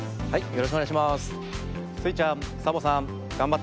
はい。